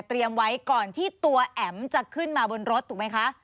ไว้ก่อนที่ตัวแอ๋มจะขึ้นมาบนรถถูกไหมคะ